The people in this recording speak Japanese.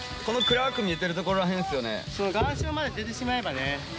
その岩礁まで出てしまえばね。